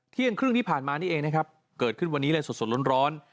เที่ยงครึ่งที่ผ่านมานี่เองนะครับเกิดขึ้นวันนี้เลยสดร้อน